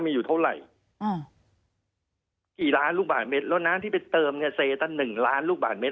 มีอยู่เท่าไหร่อ่ากี่ล้านลูกบาทเมตรแล้วน้ำที่ไปเติมเนี่ยเซตั้งหนึ่งล้านลูกบาทเมตร